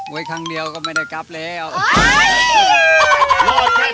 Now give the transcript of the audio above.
ครั้งเดียวก็ไม่ได้กลับแล้ว